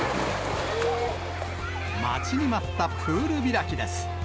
待ちに待ったプール開きです。